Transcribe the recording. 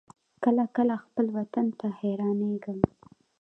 کله کله خپل وطن ته حيرانېږم.